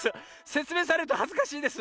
せつめいされるとはずかしいです。